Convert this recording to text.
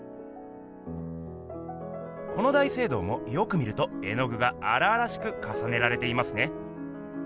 この大聖堂もよく見ると絵具があらあらしくかさねられていますね。